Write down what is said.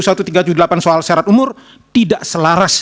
soal syarat umur tidak selaras